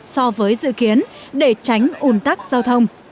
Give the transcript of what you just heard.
so với dự kiến để tránh ủn tắc giao thông